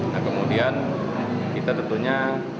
nah kemudian kita tentunya